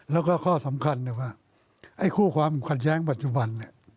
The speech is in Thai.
แล้วก็ข้อสำคัญว่าไอ้คู่ความขัดแย้งปัจจุบัน